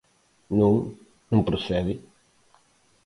Non, non procede.